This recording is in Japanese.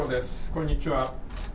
こんにちは。